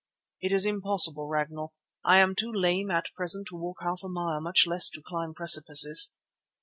"It is impossible, Ragnall. I am too lame at present to walk half a mile, much less to climb precipices."